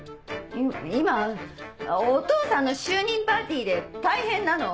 今お父さんの就任パーティーで大変なの。